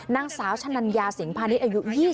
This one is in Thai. นางสาวชะนัญญาสิงพาณิชย์อายุ๒๐